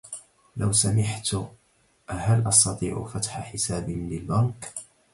لو سمحت، هل أستطيع فَتْحَ حسابٍ بالبنك؟